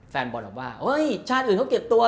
แฟนบอลเราว่าเฮ้ยชาติอื่นเขาเก็บตัว